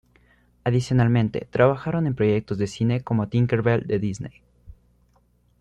Adicionalmente, trabajaron en proyectos de cine como Tinker Bell de Disney.